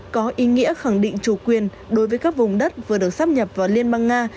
có ý nghĩa khẳng định chủ quyền đối với các vùng đất vừa được sắp nhập vào liên bang nga